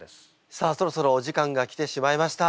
さあそろそろお時間が来てしまいました。